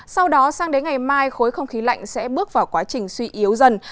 sau đó sang đến ngày mai khối không khí lạnh sẽ bước vào quá trình suy yếu dần